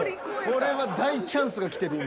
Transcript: これは大チャンスが来てる今。